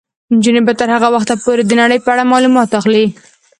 نجونې به تر هغه وخته پورې د نړۍ په اړه معلومات اخلي.